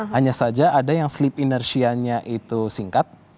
hanya saja ada yang sleep inersianya itu singkat